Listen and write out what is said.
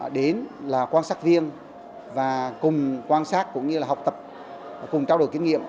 đến là quan sát viên và cùng quan sát cũng như là học tập cùng trao đổi kinh nghiệm